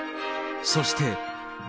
そして。